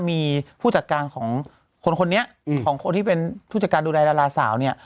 มีผู้จัดการของคนคนนี้ของคนที่เป็นผู้จัดการดูแลดาราสาวเนี่ย